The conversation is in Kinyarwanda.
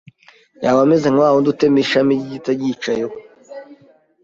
yaba ameze nka wa wundi utema ishami ry’igiti yicayeho